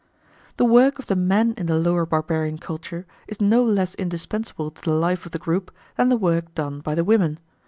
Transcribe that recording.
The work of the men in the lower barbarian culture is no less indispensable to the life of the group than the work done by the women.